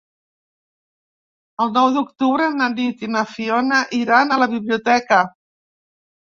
El nou d'octubre na Nit i na Fiona iran a la biblioteca.